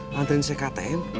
nantarin saya ke ktm